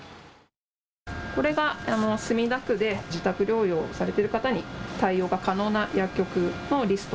これが墨田区で自宅療養されてる方に対応が可能な薬局のリスト。